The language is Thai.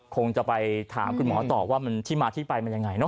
คงจะไปถามคุณหมอตอบว่ามันที่มาที่ไปมันยังไงเนอ